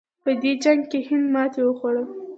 په دې جنګ کې هند ماتې وخوړه.